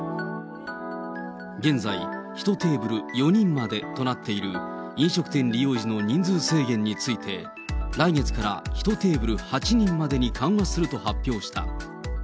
現在、１テーブル４人までとなっている飲食店利用時の人数制限について、来月から１テーブル８人までに緩和すると発表した。